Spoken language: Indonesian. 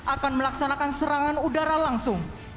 akan melaksanakan serangan udara langsung